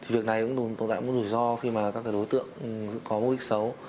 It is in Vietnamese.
việc này cũng tồn tại một rủi ro khi mà các đối tượng có mục đích xấu